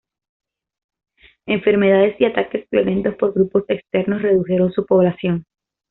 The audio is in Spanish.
Enfermedades y ataques violentos por grupos externos redujeron su población.